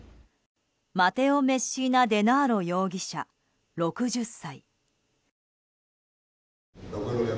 マテオ・メッシーナ・デナーロ容疑者、６０歳。